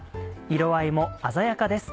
色合いも鮮やかです。